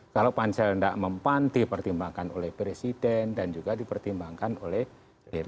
kalau pansel nggak mempun dipertimbangkan oleh presiden dan juga dipertimbangkan oleh dpr